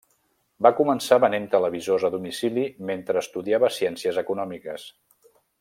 Va començar venent televisors a domicili mentre estudiava ciències econòmiques.